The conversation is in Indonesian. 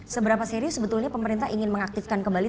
seberapa serius sebetulnya pemerintah ingin mengaktifkan kembali